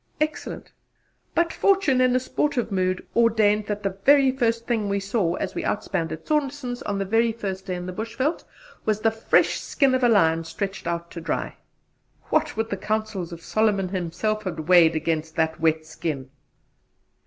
Excellent! But fortune in a sportive mood ordained that the very first thing we saw as we out spanned at Saunderson's on the very first day in the Bushveld, was the fresh skin of a lion stretched out to dry. What would the counsels of Solomon himself have weighed against that wet skin?